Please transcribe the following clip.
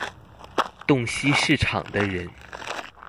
洞悉市場的人